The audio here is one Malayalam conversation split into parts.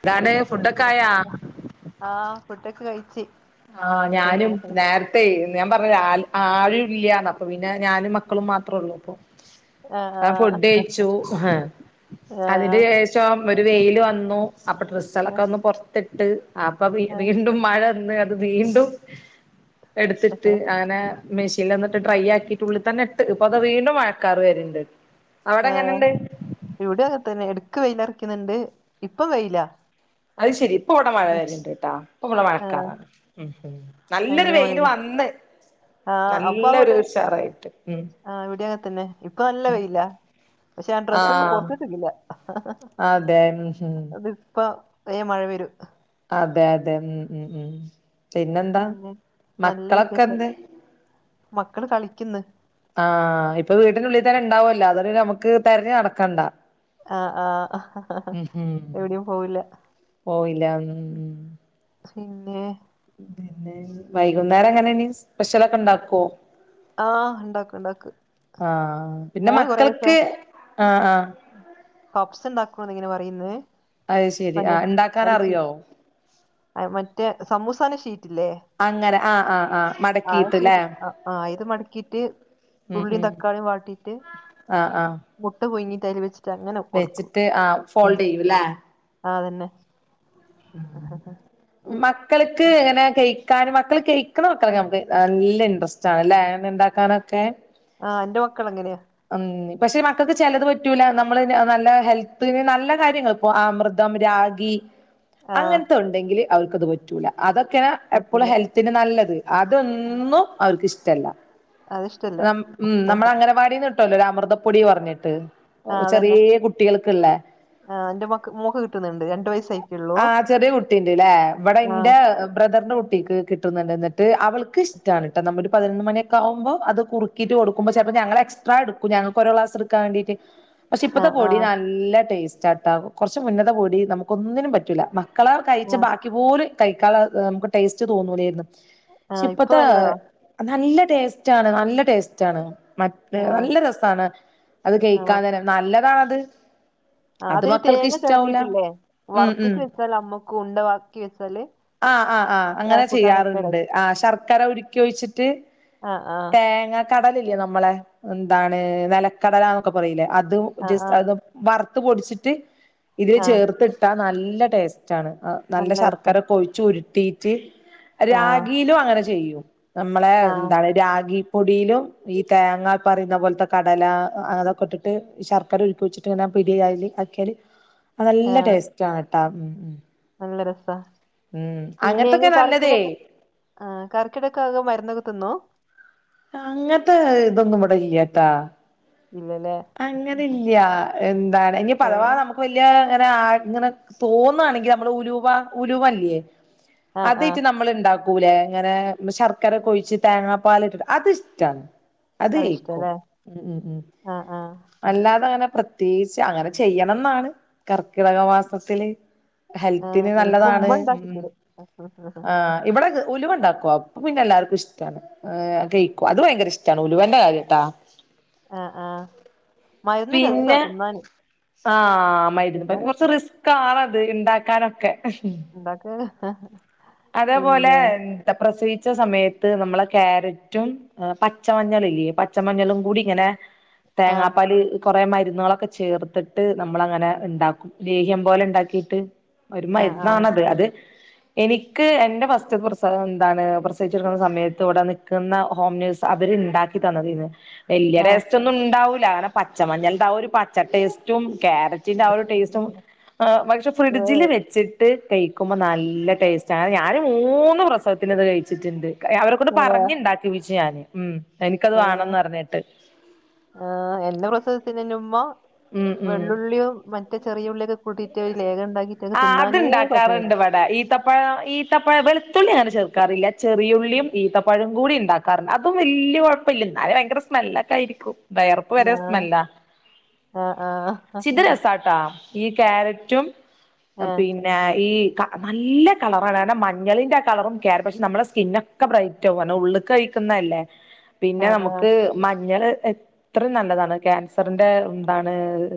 എന്താണ് ഫുഡൊക്കെ ആയാ ആഹ്ഫുട്ടക്കെ കഴിച്ച്. ആഹ് ഞാനും നേർ ത്തേയ് ഞാൻ പറഞ്ഞിലെ ആ ആരും ഇല്ല്യന്ന് അപ്പൊ പിന്നെ ഞാനും മക്കളും മാത്രേള്ളൂ പ്പൊ ആഹ് ഫുഡ് കഴിച്ചു ആഹ് അതിന് ആഹ് ശേഷ് ഷം ഒരു വെയില് വന്നു അപ്പൊ ഡ്രസ്സോളൊക്കെ ഒന്ന് പൊറത്തിട്ട് അപ്പൊ പി ആഹ് വീണ്ടും മഴ വന്ന് അത് വീണ്ടും എട്ത്തിട്ട് അങ്ങനെ മെഷീനിൽ ഒന്നിട്ട് ഡ്രൈ ആക്കിട്ട് ഉള്ളിൽ തന്നെ എടുത്തിടും ഇപ്പൊ അതാ വീണ്ടും മഴക്കാറ് വര്ണ്ട് ആഹ് ഇവിടെഅതന്നെ എടക്ക് വെയിലറിക്ക്ന്ന്ണ്ട് ഇപ്പ വെയില അത് ശെരി ഇപ്പ ഇവിടെ മഴ വരണ് ണ്ട്ട്ട ഇപ്പ ഇവിടെ മഴക്കാറാണ് ഉം നല്ലൊരു അങ്ങനെ മഴ വെയില് വന്ന് ആഹ് നല്ലൊരു അപ്പമുതൽ ഉഷാറായിട്ട് ഉം ആ ഇവിടിയങ്ങത്തന്നെ ഇപ്പൊ നല്ല വെയില പഷേ ഞാ ഡ്രസ്സ് ഒന്നും ആഹ് പൊർത്തെകിടില്ല. അതെ ഉം ഉം തിപ്പ വേം മഴ വെരും അതെ അതെ ഉം ഉം ഉം പിന്നെന്താ പിന്നെ നല്ല മക്കളൊക്കെ വിശേഷം എന്തേ മക്കള് കളിക്ക്ന്ന് ആഹ് ഇപ്പൊ വീട്ടിനുള്ളിൽ തന്നെ ഇണ്ടാവല്ലോ അത നമുക്ക് തതിരഞഞ്ഞ നടക്കണ്ടാ ആ ആഹ് ഉം എവിടെയും പോവില്ല പോയില്ല ഉം ഉം പിന്നേ പിന്നെ വൈകുന്നേരം എങ്ങന ഇനി സ്പെഷ്യലൊക്കെ ഉണ്ടാക്കുവോ ആഹ് ഇണ്ടാക്കും ഇണ്ടാക്കും ആഹ് പിന്നെ മക്കൾക്ക് ആഹ് ആഹ് പപ്പ്സ് ഇണ്ടാക്കുവാന്ന് ഇങ്ങനെ പറയുന്നേ അത് ശെരി ആ ഉണ്ടാക്കാൻ അറിയോ? അത് മറ്റേ സമൂസാനെ ഷീറ്റില്ലേ? അങ്ങനെ ആഹ് ആഹ് ആഹ് അത് മടക്കിയിട്ട്ല്ലേ ശെരി അ ആ ഇത് മടക്കീറ്റ് ഉം ഉള്ളിം ഉം തക്കാളിം വാട്ടിറ്റ് ആഹ് ആഹ് മുട്ട പുയ്ങ്ങിറ്റ് അയില് വെച്ച് വെച്ചിട്ട് ആ ഫോൾഡ് ചെയ്യൂല്ലേ ആതന്നെ ആഹ് മക്കൾക്ക് ഇങ്ങനെ കയിക്കാനും മക്കൾ കയ്ക്ക്ണ മക്കളൊക്കെ അമക്ക് നല്ല ഇൻട്രസ് [unintelligible] ഇണ്ടാക്കാനൊക്കെ ആഹ് ഇന്റെ മക്കൾ അങ്ങനെയ ഉം പക്ഷെ മക്കക്ക് ചെലത് പറ്റൂല നമ്മള് നല്ല ഹെൽത്തിന് നല്ല കാര്യങ്ങള് പ്പൊ അമൃതം, രാഗി ആ അങ്ങൻത്തെ ഉണ്ടെങ്കില് അവൾക്കത് പറ്റൂല അതൊക്കെയാന്ന എപ്പളും പറ്റില്ല ഹെൽ പിന്നെ നല്ലത് അതൊന്നും അവർക്ക് ഇഷ്ടല്ല. അതിഷ്ടല്ല നം ഉം നമ്മള അംഗനവാടിന്ന് ഇട്ടുവല്ലോ ഒര് അമൃതപ്പൊടി പറഞ്ഞ്ട്ട് ആ അതന്നെ ചെറിയേ കുട്ടികൾക്ക്ള്ളേ ആ എന്റെ മക്ക മോക്ക് കിട്ടുന്നുണ്ട് രണ്ട് വയസ്സായിക്കുള്ളൂ [unintelligible] ആഹ് ചെറിയെ കുട്ടിണ്ട്ല്ലേ ഇവ്ടെ ആ ഇന്റെ ബ്രദർന്റെ കുട്ടിക്ക് കിട്ടുന്ന്ണ്ട് ഇന്ന്ട്ട് അവൾക്ക് ഇഷ്ടാണ് ട്ടോ നമ്മരു പതിനൊന്ന് മണിയൊ ക്കാവുമ്പോ അത് കുർക്കീറ്റ് കൊട്ക്കുമ്പോ ചെലപ്പൊ ഞങ്ങള് എക്സ്ട്രാ ഇട്ക്കും ഞങ്ങക്ക് ഓരോ ക്ലാസ് ഇട്ക്കാൻ വേണ്ടീറ്റെയ് പക്ഷെ ആ ഇപ്പത്തെ ആ പൊടി നല്ല ടേസ്റ്റ് ആട്ടാ കൊർച്ച് മുന്നത്തെ പൊടി നമുക്കക്കൊന്നിനും പറ്റൂല മക്കളാർ കഴിച്ച ആ ബാക്കി പോലും കഴിക്കാള്ള അമക് ടേസ്റ്റ് തോന്നൂലേര്ന്നു. ആ ക്ഷേ ഇപ്പൊ ഇപ്പത്ത നല്ലതാ നല്ല ടേസ്റ്റ് ആണ് നല്ല ടേസ്റ്റ് ആണ് മ എ ആ നല്ല രസാണ് അത് ആ കഴിക്കാൻ തന്നെ നല്ലതാണത് ആ അത് അതിന് മക്കൾക്ക് തേങ്ങ ഇഷ്ടാവൂല ചേരണ്ടീട്ടില്ലേ ഉം ഉം വർത്തിട്ട് വെച്ചാല് അമ്മക്ക് ഉണ്ട വാക്കി വെച്ചാല് ആഹ് ആഹ് ആഹ് അങ്ങനെ ചായക്കൂട്ടാനൊക്കെ ചെയ്യാറ്ണ്ട് രസം ആ ശർക്കര ഉരുക്കി ഒഴിച്ച്ട്ട് ആ ആഹ് കടലല്യേ നമ്മളെ എന്താണ് നെലക്കടലന്നൊക്കെ പറയിലെ അതും ആ ആ ജസ് അതും വർത്ത് പൊടിച്ച്ട്ട് ഇതില് ആ ചേർത്ത്ട്ടാ നല്ല ടേസ്റ്റ് ആണ് അ നല്ല ശർക്കര കൊഴിച്ചുരുട്ടീട്ട് ആ രാഗിയിലും അങ്ങനെ ചെയ്യും നമ്മളെ ആ എന്താണ് രാഗിപ്പൊടിലും ഈ തേങ്ങാ പറയുന്ന പോലത്തെ കടല അതൊക്കെ ഇട്ടിട്ട് ശർക്കര ഉരുക്കി ഒഴിച്ചിട്ട് ഇങ്ങന പിടിയായല് ആക്കിയാല് [inaudible] അ നല്ല ടേസ്റ്റ് ആണ് ട്ടാ ഉം ഉം നല്ല രസാ ഉം പിന്നെ അങ്ങനത്തൊക്കെ ങ്ങ നല്ലതേ കർക്കിടക ആ കർക്കിടകക്കാകെ മരുന്നൊക്കേ തിന്നോ അങ്ങനത്തെ ഇതൊന്നും ഇവിടെ ഇല്ല്യാട്ടാ ഇല്ലലേ അങ്ങനെല്യാ എന്താണ് ഇനി ആ പദവാ നമുക്ക് വ [unintelligible] ആഹ് ഇങ്ങനെ തോന്നുവാണെങ്കിൽ നമ്മള് ഉലുവാ ഉലുവല്ല്യേ ആ ആ അതേറ്റ് നമ്മൾ ഇണ്ടാക്കൂലേ ഇങ്ങനെ ശർക്കരൊക്കെ ഒഴിച്ച് തേങ്ങാപ്പാല് ഇട്ടിട്ട് അത് ഇഷ്ട അത് കയ്ക്കും അതിഷ്ടാല്ലേ ആ ആ അല്ലാതെ അങ്ങനെ പ്രത്യേകിച്ച് അങ്ങനെ ചെയ്യണംന്നാണ് കർക്കിടകമാസത്തില് ആ ഹെൽത്തിന് എനിക്ക് നല്ലതാണ് ഉമ്മ ഉം ഉണ്ടാക്കി തരും ആഹ് ഇവടെ ഉലുവണ്ടാക്കുവോ അപ്പൊ പിന്നെ എല്ലാർക്കും ഇഷ്ടാണ് ഏ കയ്ക്കും അത് ഭയങ്കര ഇഷ്ടമാണ് ഉലുവന്റെ കാര്യട്ടാ ആഹ് ആഹ് പിന്നെ ആഹ് മരുന്നും തിന്നാൻ രസാ കൊറച്ച് റിസ്ക് കാണത് ണ്ടാക്കാനൊക്കെ ണ്ടാക്ക് അതേപോലെ എന്താ പ്രസവിച്ച സമയത്ത് നമ്മളെ കേരറ്റും പച്ചമഞ്ഞൾല്ലേ പച്ചമഞ്ഞളും കൂടി ഇങ്ങനെ ആ തേങ്ങാപ്പാല് കുറെ മരുന്നുകളൊക്കെ ചേർത്തിട്ട് നമ്മളങ്ങനെ ഇണ്ടാക്കും ലേഹ്യം പോലെ ണ്ടാക്കിട്ട് ഒരു ആ ആ മരുന്നാണത് അത് എനിക്ക് എന്റെ ഫസ്റ്റ് പ്രസവം എന്താണ് പ്രസ് പ്രസവിച്ച് കിടക്കുന്നസമയത്ത് വിടെ നിക്കുന്ന ഹോം നെയ്സ് അവര്ണ്ടാക്കി തന്നതെയ്ന് വല്യ ആ ടെസ്റ്റ് ന്നും‌ ന്നും ഉണ്ടവൂല അങ്ങനെ പച്ചമഞ്ഞന്റെ ആ ഒരു പച്ചടേസ്റ്റും കേര പിന്നേ ആ ഒരു ടേസ്റ്റും പക്ഷെ ഏ, ഫ്രിഡ്ജിൽ വെച്ചിട്ട് കഴിക്കുമ്പോ നല്ല ടേസ്റ്റ് ഞാന്ഞാന് മൂന്ന് പ്രസവത്തിന് ഇത് കഴിച്ചിട്ടുണ്ട് അവരെ കൊണ്ട് ഇങ്ങനെ പറഞ്ഞ്ണ്ടാക്കിപിച്ചു ഞാന് ഉം എനിക്കത് വേണംന്ന് പറിഞ്ഞിട്ട് ആഹ് എന്ന പ്രസവത്തിന് എന്നുമ്മ ഉം ഉം വെള്ളുള്ളിയും മ റ്റ ചെറിയുള്ളിയൊക്കെൂട്ടിട്ട് ഒരു ലേഹ ഉണ്ടാക്കി ആഹ് അത്ണ്ടാക്കാറുണ്ട് ഇവടെ ഈത്ത പഴ ഈത്തപ്പഴ വെളുത്തുള്ളി അങ്ങനെ ചേർക്കാറില്ല ചെറിയുള്ളിയും ഈത്തപ്പഴം കൂടി ഉണ്ടാക്കും കാരണം അതും വല്ല്യ കുഴപ്പില്ല ന്നാലും ഭയങ്കര സ്മെല്ലൊക്കെ ആയിരിക്കും വെയർപ്പ് വരെ സ്മെല്ലാ ആ ആ ആ ചിത് ആ രസാട്ടാ ഈ ക്യാരറ്റും പിന്നെ ഈ ക നല്ല കളറാണ് കാരണം മഞ്ഞളിന്റെ കളറും കേര പക്ഷെ നമ്മള സ്കിന്ന ബ്രൈയിറ്റാവും കാരണ ഉള്ളിക്ക് കഴിക്കുന്നല്ലേ [inaudible] പിന്നെ നമുക്ക് മഞ്ഞള് ഇത്രയും നല്ലതാണ് ക്യാൻസറിന്റെ എന്താണ്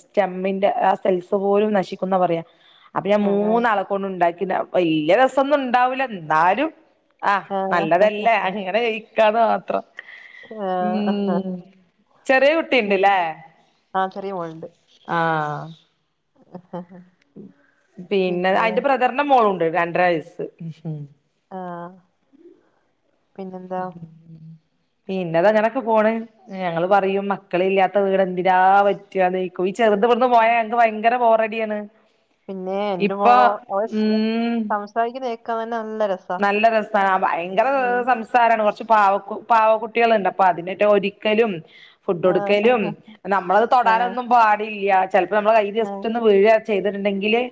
സ്റ്റെമ്മിന്റെ ആ സെെസ് പോലും നശിക്കുന്ന പറയാ അപ്പൊ ഞാൻ ആ ആ മൂന്നാളക്കൊണ്ട് ഉണ്ടാക്കി വല്ല്യ രസൊന്നും ഉണ്ടാവൂല ന്നാലും ആഹ് നല്ലതല്ലേ അങ്ങനെ കയിക്കാന്ന് മാത്രം ഉം ആഹ് ചെറിയ കുട്ടിയുണ്ട്ല്ലേ [unintelligible] ആഹ് [unintelligible] പിന്നെ ആഹ് ന്റെ ബ്രദറിന്റെ മോളുണ്ട് രണ്ടര വയസ്സ് ആഹ് പിന്നെന്താ പിന്നെതങ്ങനൊക്കെ പോണ് ഞങ്ങള് പറയും മക്കളില്ലാത്ത വീട് എന്തിനാ വ [unintelligible] ഈ ചെറുതുവിടന്ന് പോയാ ങ്ങക്ക് ഭയങ്കര ബോറടിയാണ് പിന്നെ എന്റെ ഇപ്പൊ മോളോ അവര് ഉം സംസാരിക്കുന്ന കേക്കാൻ തന്നെ നല്ല രസ നല്ല രസാന ഭയങ്കര സം സാരാണ് കുറച്ച് പാവകു പാവ കുട്ടികൾണ്ട് അപ്പൊ അതിനിട്ട് ഒര്ക്കലും ഫുഡ് ആഹ് കൊടുക്കലും ആഹ് നമ്മളത് ആഹ് തൊടാനൊന്നും പാടില്ല. ചിലപ്പോ നമ്മള കയ്യിൽ ജെസ്റ്റാന്ന് വീഴ ചെയ്തിട്ടുെങ്കില്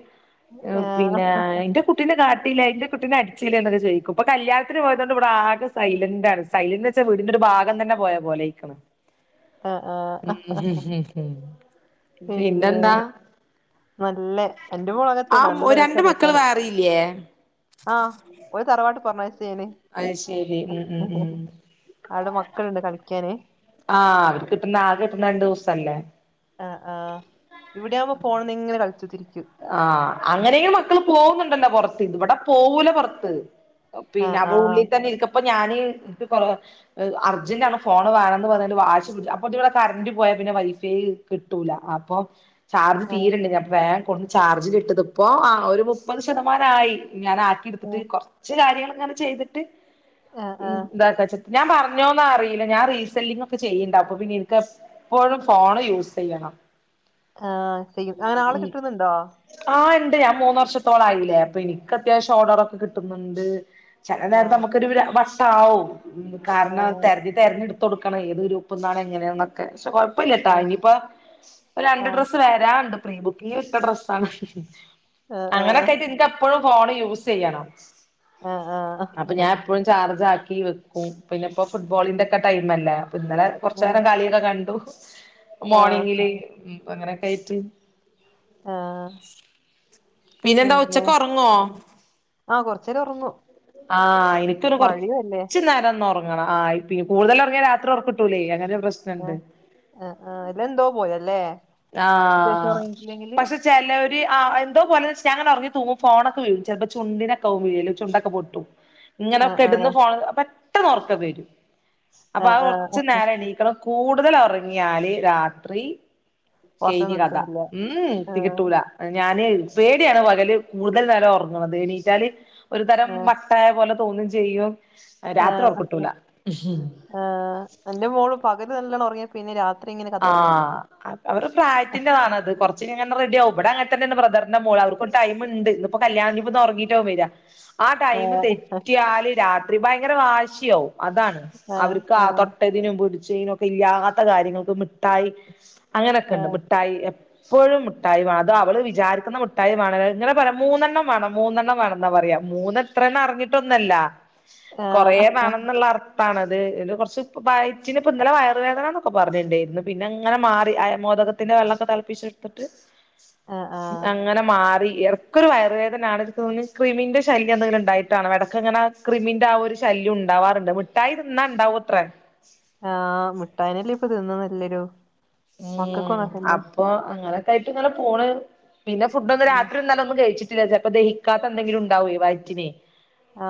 ആഹ് പിന്നെ എന്റെ കുട്ടീനെ കാട്ടിലെ ഇന്റെ കുട്ടീനേ അ ചോദിക്കും പ്പൊ കല്യാത്തിന് പോയതുകൊണ്ട് ഇടെ ആകെ സൈലന്റണ് സൈലന്റ്ന്ന് വെച്ചൽ വീടിന്റെ ഒരു ഭാഗം തന്നെ പോയ പോലെ ആയി ഉം ആഹ് ആഹ് ഹ് ഹ് ഹ് പിന്നെ പിന്നെന്താ നല്ല എന്റെ മോളകത്തെ ആ നല്ല രസ രണ്ട് മക്കള് കേക്കാന്. വേറെയില്ലേ ആഹ് ഓളെതറവാട്ട് പറഞ്ഞയച്ച് ഞാന് അത് ശെരി ഉം ഉം ഹോ ഉം അവിടെ മക്കളുണ്ട് കളിക്കാന് ആഹ് അവര് കിട്ടുന്ന ആകെ കിട്ടുന്ന രണ്ടു ദിവസംല്ലേ ആഹ് ആഹ് ഇവിടെയാവുമ്പോ ഫോണിന് ഇങ്ങനെ കളിച്ച് കുത്തി ഇരിക്കും ആഹ് അങ്ങനെങ്കിലും മക്കള് പോകുന്നുണ്ടല്ലോ പൊറത്ത് ഇവിടെ പോകൂല പൊറത്ത് പിന്നെ ആഹ് അവടെ ആഹ് ഉള്ളിൽ തന്നെ ഇരിക്കപ്പ ഞാന് കൊറ - അർജന്റ് ആണ് ഫോണ് വേണം എന്ന് പറഞ്ഞിട്ട് വാശി പിടിച്. അപ്പോ ഇവിടെ കറന്റ് പോയാൽ പിന്നെ വൈഫൈ. കിട്ടൂല അപ്പൊ ചാർജ് തീരണ്ട് ഞാൻ വേഗം കൊടുന്ന് ചാർജിന് ഇട്ടത് ഇപ്പോ ആഹ് ഒരു മുപ്പത് ശതമാനമായി ഞാൻ ആ ആഹ് എടുത്തിട്ട് കുറച്ച് കാര്യങ്ങൾ ഇങ്ങനെ ചെയ്തിട്ട് ആഹ് ആഹ് ഇതാക്കച്ട്ട ഞാൻ പറഞ്ഞോന്ന അറില്ല ഞാൻ റീസല്ലിങ്ങക്കെ ചെയ്യ്ണ്ട്. അപ്പ പിന്നെ എനിക്ക് എപ്പോഴും ഫോണ് യൂസ് ചെയ്യണം. ആഹ് ചെയും അങ്ങനെ ആളെ ഉം കിട്ടുന്നുണ്ടോ? ആഹ് ഉണ്ട് ഞാൻ മൂന്ന വർഷത്തോളായില്ലേ അപ്പൊ എനിക്ക് അത്യാവശ്യം ഓർഡർ ഒക്കെ കിട്ടുന്നുണ്ട്. ചില ആഹ് നേരത്തെ നമുക്കൊരു വർഷ ആവും ആ കാരണം തെര - തിരഞ്ഞെടുത്ത കൊടുക്കണം. ഏത് ഗ്രൂപ്പ നിന്നാണ് എങ്ങനെയൊക്കെ പക്ഷെ കൊയപ്പല്ലട്ട ആ ഇനി ഇപ്പോ ആ രണ്ട് ഡ്രസ്സ് വരാണ്ട് പ്രീ ബുക്ക് ഇന്ന് ഇട്ടഡ്രസ്സാണ് ആ ആ അങ്ങനെയൊക്കെ ആയിട്ട് എനിക്കാ എപ്പഴും ഫോണ് യൂസ് ചെയ്യണം. ആ ആ അപ്പൊ ഞാൻ എപ്പോഴും ചാർജ് ആക്കി വെക്കും പിന്നെ ഇപ്പോ ഫുട്ബോളിന്റെക്കെ ടൈമല്ലെ അപ്പ ഇന്നലെ കൊറച്ചു ആ നേരം കളിയൊക്കെ കണ്ടു മോർണിങ്ങില് പ്പ അങ്ങനെയൊക്ക ആയിട്ട് ആഹ് പിന്നെന്താ ഉച്ചക്ക് ഉറങ്ങോ? ആഹ കൊറച്ച് നേരം ഉറങ്ങും. ആഹ് എനിക്കൊരു മഴയും അല്ലേ കൊറച്ച് നേരംന്ന് ഒറങ്ങ അ ആഹ് പിന്ന കൂടുതലൊറങ്ങിയ രാത്രി ഒറക്കിട്ടൂല്ലേ അങ്ങനെ ഒര്പ്രശ്ന ആഹ് ആഹ് ആഹ് ഇല്ല എന്തോ പോയല്ലേ ഉച്ചക്ക് ശേശം ഉറങ്ങിട്ടില്ലെങ്കില് ചെലോര് ആഹ് എന്തോ പോലെന്ന വെച്ചാ ഞങ്ങ ഇറങ്ങി തൂങ്ങു ഫോണക്കെ വീഴും ചിലപ്പോ ചുണ്ടിനൊക്കെവും വീഴല് ചുണ്ടൊക്കെ പോട്ട് ആ ഇങ്ങനെൊക്കെ ആ ഇടന്ന് ഫോണ് പെട്ടെന്ന് ഉർക്ക വരും. അപ്പൊ ആ അത് ആ കുറച്ചു നേരം എണീക്കണം. കൂടുതൽ ഉറങ്ങിയാല് രാത്രി ഉറക്കം കയിഞ്ഞ് കഥ കിട്ടൂല ഉം ആ കിട്ടൂല ഞാന് പേടിയാണ് പകല് കൂടുതൽ നേരം ഉറങ്ങന്നത് എണീറ്റാല് ഒരു തരം ന്താ കയ പോലെ തോന്നും ചെയ്യും ആ രാത്രി ഹഹ ഒറക്കിട്ടൂല ആ എന്റെ മോള് പകല് നല്ലണം ഉങ്ങിയ പിന്നെ രാത്രി ഇങ്ങനെ കഥ ആ പറഞ്ഞിട്ടിരിക്കും അവര് പ്രായത്തിന്റെറതണത്. കുറച്ച അങ്ങനെ റെഡിവും ഇവിടെ അങ്ങനത്തന്ന ബ്രാദറിന്റെ മോൾ അവർക്ക് ഒരു ടൈമുണ്ട് ഇപ്പോ കല്യാണ ഇന്ന് ഉറങ്ങിട്ടാവും വരാ ആഹ് ആ ടൈം തെറ്റിയാല് രാത്രി ഭയങ്കര വാശിയാവും അതാണ് ആ അവർക്ക് ആ ആഹ് തൊട്ട നും പിടിച്ചെനും ഒക്കെ ഇല്ലാത്ത കാര്യങ്ങൾക്ക് മിഠായി അങ്ങനെയൊക്കെ ആ ഉണ്ട് മിഠായി എപ് എപ്പോഴും മുട്ടായി വേണം അത് അവള് വിചാരിക്കുന്ന മുട്ടായി വേണം ഇങ്ങനെ പറ മൂന്നെണ്ണം വേണം, മൂന്നെണ്ണം വേണം, ന്നാ പറയാം. മൂന്ന് എത്രണ് അറിഞ്ഞിട്ടൊന്നല്ല. കൊറേ ആ വേണംന്നുള്ളർത്ഥ ഇപ്പാണത് കുറച്ച് പ്പം വായിറ്റിന് പ്പം ഇന്നലെ വയറു വേദനന്നൊക്കെ പറഞ്ഞിട്ടണ്ടായിരുന്നു പിന്നെ അങ്ങനെ മാറി അയ മോദകത്തിന്റെ വെള്ളക്കെ തെളപ്പിച്ചെടുത്തിട്ട് ആ ആ അങ്ങ് ങ്ങനെ മാറി. എടക്കൊരു വയറുവേദനാണ്. എനക്ക് തോന്നണ് കൃമിന്റെ ശല്യന്തെങ്കിലും ണ്ടായിട്ടാണ്. എടക്കങ്ങനെ ക്രിമിന്റെ ആ ഒരു ശല്യം ഉണ്ടാവാറുണ്ട്. മിഠായി തിന്നാ ഉണ്ടാവൂത്രേ. ആഹ് മിട്ടായിന്നെല്ലേപ്പോ തിന്നതെല്ലാരും ഉം അപ്പോ ങ്ങള് ഇതായിട്ട്ങ്ങനെ പോണ്. പിന്ന ഫുഡ് ഒന്നും ആ രാത്രിന്നല ഒന്നും കഴിച്ചി ചെലത് അപ്പ ദഹിക്കാത്ത എന്തെങ്കിലും ഉണ്ടാവേയ് വയറ്റിലേയ്. ആ.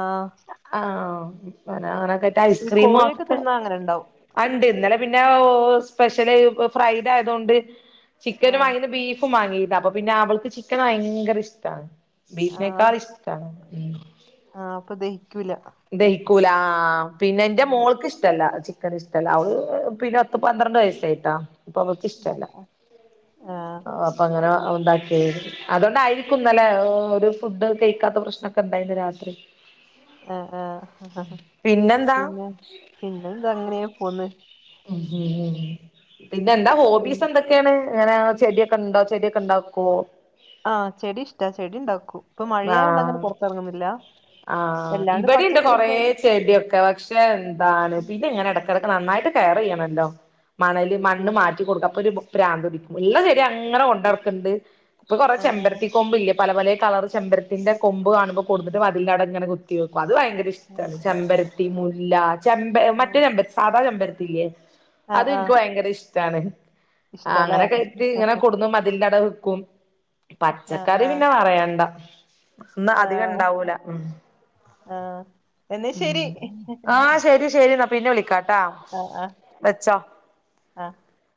ആഹ് ആഹ് പിന്നാ അങ്ങനെക്കായ്ട്ട് ഈ ഐസ്ക്രീമ് കോഴിയൊക്കെ ഒക്കെ തിന്നാ അങ്ങനെ ഉണ്ടാവും ആഹ് ഇണ്ട് ഇന്നലെ പിന്നെ ഓ സ്പെഷ്യല് ഫ്രൈഡായതോണ്ട് ആ ചിക്കനും വാങ്ങീട്ട് ബീഫും വാങ്ങീന്ന് അപ്പോ പിന്നെ അവൾക്ക് ചിക്കന് വയങ്കര ഇഷ്ടാണ്. ആ അത് ബീഫിനേക്കാളിഷ്ടാണ്. ഉം ആഹ് അപ്പോ ദഹിക്കൂല. ദഹിക്കൂല. ആഹ് ആഹ് പിന്നെ ന്റെ അങ്ങനെണ്ടാവും മോൾക്ക് ഇഷ്ടല്ല ചി ക്കത് ഇഷ്ടല്ല. അവള് ആഹ് പിന്ന പത്ത് പന്ത്രണ്ട് വയസ്സായിട്ടാ. ഇപ്പോ അവക്ക് ഇഷ്ടല്ല. ആഹ് അപ്പ അങ്ങനെ ഉണ്ടാക്കിയേത്. അതോണ്ടായിരിക്കുംന്നലെ ഒരു ഫുഡ് ഒക്കെ കയ്ക്കാത്ത പ്രശ്നോക്കെണ്ടായിന്ന് രാത്രി ആഹ് ആഹ് പിന്നെന്താ പിന്നെ പിന്നെന്താ ഇങ്ങനേ പോന്ന് ഉം ഉം ഉം പിന്നെന്താ? പിന്നെ ഹോബിസെന്താ? ക്കേണ് ഇങ്ങനെ ചെടിയൊക്കേണ്ടോ ചെടിയൊക്കേണ്ടാക്കോ? ആഹ് ചെടി ഇഷ്ട ചെടിണ്ടാക്കും ഇപ്പോ മഴായോണ്ട് അങ്ങനെ ആഹ് പൊറത്തെറങ്ങുന്നില്ല ആഹ് അഹ് എല്ലാണ്ട് ഇബടീണ്ട് കൊറേ പച്ചക്കറിയൊക്കെ ചെടിയൊക്കെ പക്ഷേ എന്താണ് ഉം പിന്നെങ്ങനെട ടൊക്കെ നന്നായിട്ട് കെയറിയ്യണല്ലോ. മണല് ഉം മണ്ണ് ഉം മാറ്റി കൊടുക്കാ അപ്പ ഒരു പ്രാന്തുടിക്കും ഇള്ള ചെടി അങ്ങനെ കൊണ്ടട്ക്ക്ണ്ട് ഇപ്പൊ കൊറെ ആഹ് ചെമ്പരത്തി കൊമ്പ് ല്ലേ പല പലെ കളറ് ചെമ്പരത്തിന്റെ കൊമ്പ് കാണുമ്പോ കൊടുന്നിട്ട് മതിലിന്റവിടെ ഇങ്ങനെ കുത്തി വെക്കും. അത് ഭയങ്കര ഉം ഇഷ്ടാണ് ചെമ്പര ത്തി മുല്ല ചെമ്പ മറ്റേ ആഹ് ചെമ്പ സാദാ ചെമ്പരത്തില്ലേ ആഹ് അത് നിക്ക് ആഹ് വയ് ക്ക് ഭയങ്കര ഇഷ്ടാണ്. ആഹ് ഇഷ്ടാല്ലേ അങ്ങനെക്കായിട്ട് ങ്ങനെ കൊടുന്നു മതിലന്റെവ്ടെ വെക്കും ആഹ് പച്ചക്കറി ആഹ് പിന്നെ പറയണ്ട. ഇന്ന് അധികം ആഹ് ഇണ്ടാവൂല. ഉം. ആഹ് എന്നാ ശരി ഉം ആഹ് ശരി ശരിന്നാ പിന്നെ വിളിക്കാ ആഹ് ആഹ് ആഹ്